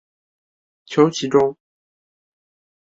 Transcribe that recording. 求其中